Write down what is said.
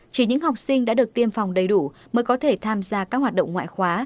chỉ những học sinh đã được tiêm phòng đầy đủ mới có thể tham gia các hoạt động ngoại khóa